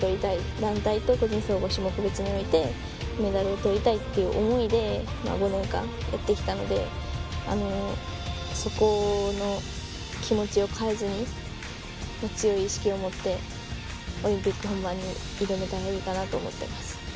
団体と個人総合、種目別においてメダルをとりたいっていう思いで、５年間やってきたので、そこの気持ちを変えずに、強い意識を持って、オリンピック本番に挑めたらいいかなと思ってます。